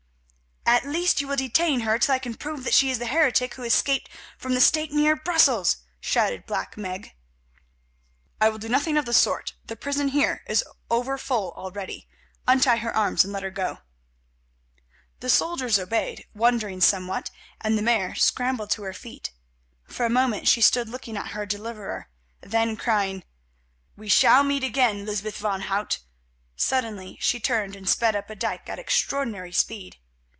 "At least you will detain her till I can prove that she is the heretic who escaped from the stake near Brussels," shouted Black Meg. "I will do nothing of the sort; the prison here is over full already. Untie her arms and let her go." The soldiers obeyed, wondering somewhat, and the Mare scrambled to her feet. For a moment she stood looking at her deliverer. Then crying, "We shall meet again, Lysbeth van Hout!" suddenly she turned and sped up a dyke at extraordinary speed.